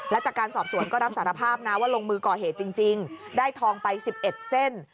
และจากการสอบสวนก็รับสารภาพนะว่าลงมือก่อเหตุจริงได้ทองไป๑๑เส้น